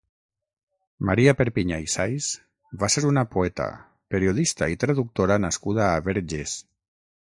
Maria Perpinyà i Sais va ser una poeta, periodista i traductora nascuda a Verges.